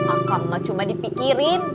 akan mah cuma dipikirin